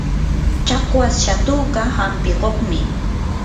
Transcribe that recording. chakwas shatuka hampikuqmi.